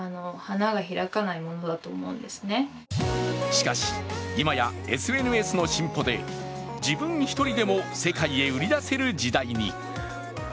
しかし、今やＳＮＳの進歩で自分１人で世界へ売り出せる時代に。